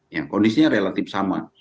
kondisinya relatif sama